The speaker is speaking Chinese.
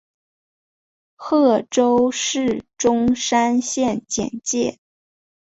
贺州市钟山县简介